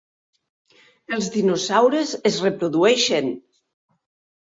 Els dinosaures es reprodueixen!